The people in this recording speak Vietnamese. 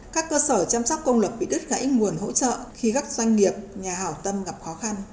các cơ sở chăm sóc công lập bị đứt gãy nguồn hỗ trợ khi các doanh nghiệp nhà hảo tâm gặp khó khăn